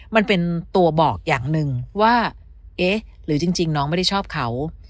มันเป็นตัวบอกอย่างหนึ่งว่าเอ๊ะหรือจริงน้องไม่ได้ชอบเขา